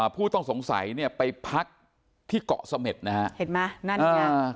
ผู้ต้องสงสัยเนี่ยไปพักที่เกาะสเม็ดนะฮะเห็นมั้ยนั่นนี่ค่ะ